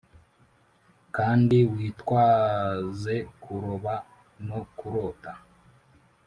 kandi witwaze kuroba. .. no kurota.